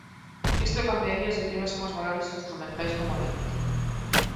Isto cambiaría se tivésemos valores instrumentais como o diñeiro.